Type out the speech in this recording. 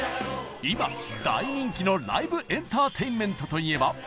今大人気のライブエンターテインメントといえば？